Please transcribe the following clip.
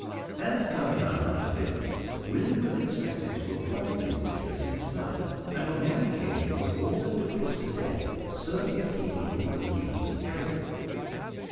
As Governor under Philip, William was expected to apply these measures himself, and on one occasion was ordered to put to death certain people who were accused of heresy.